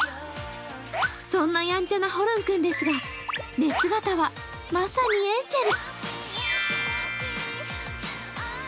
そんなやんちゃなホルン君ですが寝姿はまさにエンジェル。